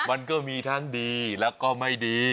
มันก็มีทั้งดีแล้วก็ไม่ดี